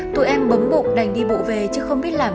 tụi em bấm bụng đành đi bộ về chứ không biết làm